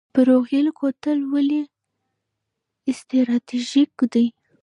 بروغیل کوتل ولې استراتیژیک دی؟